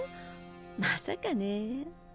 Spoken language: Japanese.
まさかね。